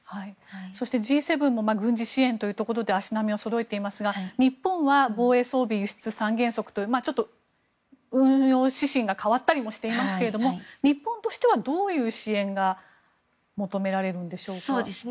そしてＧ７の軍事支援というところで足並みをそろえていますが日本は防衛装備輸出三原則というちょっと運用指針が変わったりもしていますけれども日本としてはどういう支援が求められるんでしょうか。